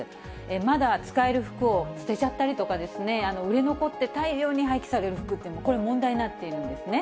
まだ使える服を捨てちゃったりとか、売れ残って大量に廃棄される服っていうのも、これ、問題になってるんですね。